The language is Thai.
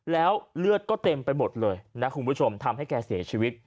แล้วเลือดก็เต็มไปหมดเลยนะคุณผู้ชมทำให้แกเสียชีวิต